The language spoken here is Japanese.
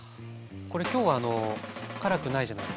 これ今日は辛くないじゃないですか。